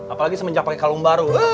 apalagi semenjak pakai kalung baru